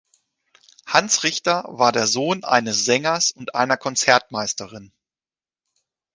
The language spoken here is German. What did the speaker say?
Hans Richter war der Sohn eines Sängers und einer Konzertmeisterin.